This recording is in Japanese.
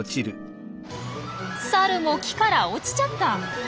サルも木から落ちちゃった。